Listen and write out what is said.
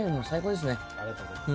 ありがとうございます。